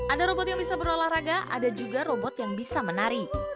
ada robot yang bisa berolahraga ada juga robot yang bisa menarik